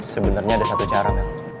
sebenernya ada satu cara mel